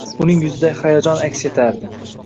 Uning yuzida hayajon aks etardi.